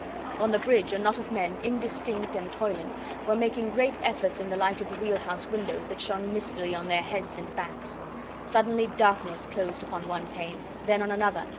On the bridge a knot of men, indistinct and toiling, were making great efforts in the light of the wheelhouse windows that shone mistily on their heads and backs. Suddenly darkness closed upon one pane, then on another.